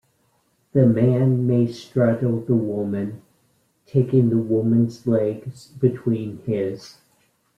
The man may straddle the woman, taking the woman's legs between his.